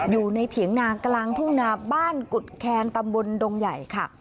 เถียงนากลางทุ่งนาบ้านกุฎแคนตำบลดงใหญ่ค่ะ